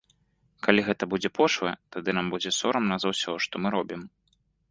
Калі гэта будзе пошла, тады нам будзе сорамна за ўсё, што мы робім.